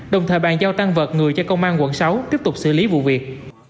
đồng thời bàn giao tăng vật người cho công an quận sáu tiếp tục xử lý vụ việc